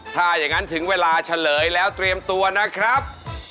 ถ้าอย่างนั้นถึงเวลาเฉลยแล้วเตรียมตัวนะครับ